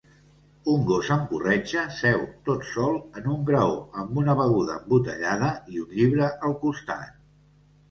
Un gos amb corretja seu tot sol en un graó amb una beguda embotellada i un llibre al costat.